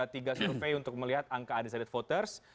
tiga survei untuk melihat angka undecided voters